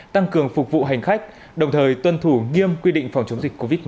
tăng cường phục vụ hành khách đồng thời tuân thủ nghiêm quy định phòng chống dịch covid